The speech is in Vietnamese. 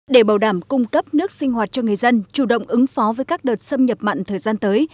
để bảo đảm cung cấp nước sinh hoạt cho người dân chủ động ứng phó với các đợt xâm nhập mặn thời gian tới